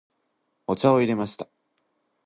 お茶を入れました。